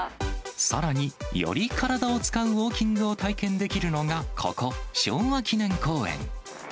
さらに、より体を使うウォーキングを体験できるのがここ、昭和記念公園。